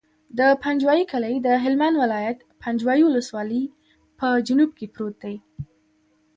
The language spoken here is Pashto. د پنجوایي کلی د هلمند ولایت، پنجوایي ولسوالي په جنوب کې پروت دی.